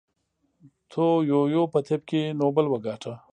تو یویو په طب کې نوبل وګاټه.